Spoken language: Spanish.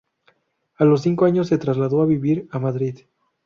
A los cinco años se trasladó a vivir a Madrid.